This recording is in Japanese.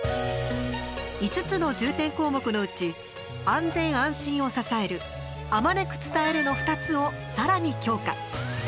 ５つの重点項目のうち「安全・安心を支える」「あまねく伝える」の２つをさらに強化。